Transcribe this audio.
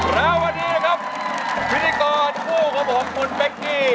แล้ววันนี้นะครับพิธีกรคู่ของผมคุณเป๊กกี้